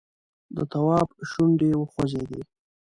د تواب شونډې وخوځېدې!